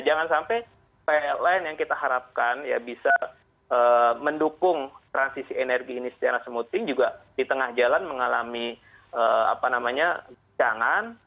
jangan sampai pln yang kita harapkan bisa mendukung transisi energi ini secara semuting juga di tengah jalan mengalami jangan